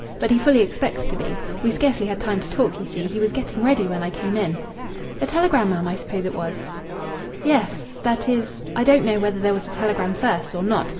But he fully expects to be. We scarcely had time to talk, you see. He was getting ready when I came in." "A telegram, ma'am, I suppose it was?" "Yes.... That is, I don't know whether there was a telegram first, or not.